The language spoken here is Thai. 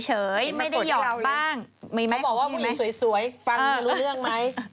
เขาบอกว่าผู้หญิงสวยฟังไม่รู้เรื่องไหม